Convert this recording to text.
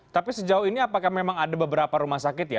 tapi sejauh ini apakah memang ada beberapa rumah sakit ya